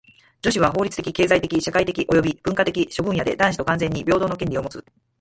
女子は法律的・経済的・社会的および文化的諸分野で男子と完全に平等の権利をもつ。